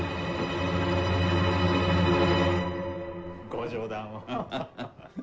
ご冗談を。